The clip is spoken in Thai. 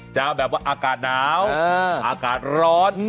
จะแบบว่าอากาศหนาวอากาศร้อน